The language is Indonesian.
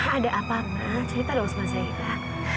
ada apa ma cerita dong sama zaira